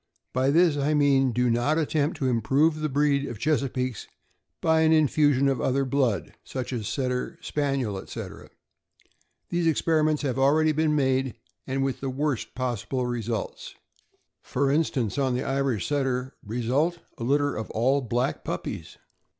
By this I mean do not attempt to improve the breed of Chesapeakes by an infusion of other blood, such as Setter, Spaniel, etc. Those experiments have already been made, and with the worst possible results. For instance, on the Irish Setter; result, a litter of all black puppies.